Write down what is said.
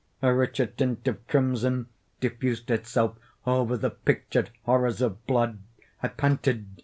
A richer tint of crimson diffused itself over the pictured horrors of blood. I panted!